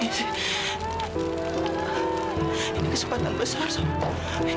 ini kesempatan besar sob